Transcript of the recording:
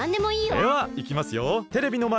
ではいきますよ。